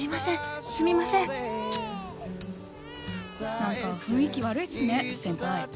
なんか雰囲気悪いっすね、先輩。